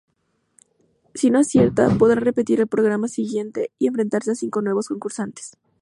Si no acierta, podrá repetir el programa siguiente y enfrentarse a cinco nuevos concursantes.